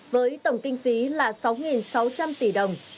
với tổng kinh phí là sáu sáu trăm linh tỷ đồng